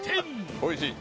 おいしい！